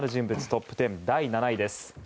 トップ１０第７位です。